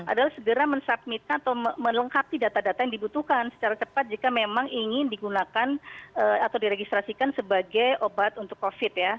adalah segera mensubmit atau melengkapi data data yang dibutuhkan secara cepat jika memang ingin digunakan atau diregistrasikan sebagai obat untuk covid ya